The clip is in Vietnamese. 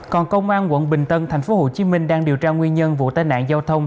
còn công an quận bình tân tp hcm đang điều tra nguyên nhân vụ tai nạn giao thông